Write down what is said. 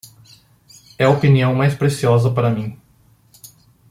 É a opinião mais preciosa para mim.